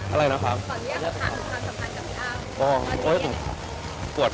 อะไรนะครับ